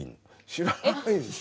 知らないでしょ？